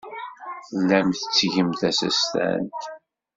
Tellam tettgem tasestant.